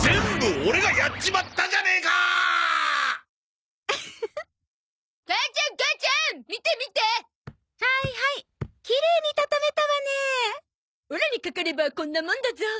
オラにかかればこんなもんだゾ。